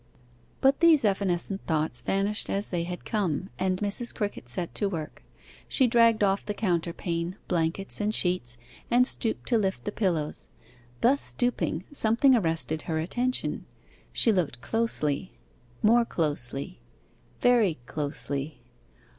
But these evanescent thoughts vanished as they had come, and Mrs. Crickett set to work; she dragged off the counterpane, blankets and sheets, and stooped to lift the pillows. Thus stooping, something arrested her attention; she looked closely more closely very closely.